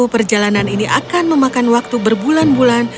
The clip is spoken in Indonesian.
perjalanan ini akan memakan waktu berbulan bulan